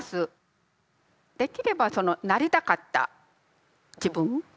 できればその「なりたかった自分」。